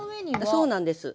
そうなんです。